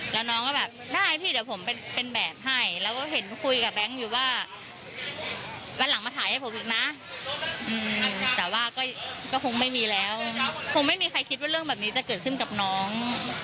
แล้วน้องก็แบบได้พี่เดี๋ยวผมเป็นแบบให้แล้วก็เห็นคุยกับแบงค์อยู่ว่าวันหลังมาถ่ายให้ผมอีกนะแต่ว่าก็คงไม่มีแล้วคงไม่มีใครคิดว่าเรื่องแบบนี้จะเกิดขึ้นกับน้อง